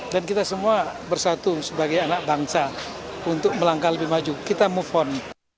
dan kita semua bersatu sebagai anak bangsa untuk melangkah lebih maju kita move on